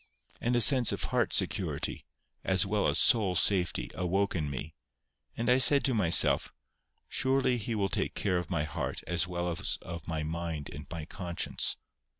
And a sense of heart security, as well as soul safety, awoke in me; and I said to myself,—Surely He will take care of my heart as well as of my mind and my conscience.